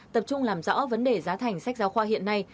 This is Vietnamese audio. tập trung làm rõ vấn đề giá thành sách giáo khoa hiện nay